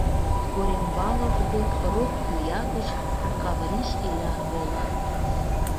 Корембалов дек рок пӱя гыч Кавриш Иля вола.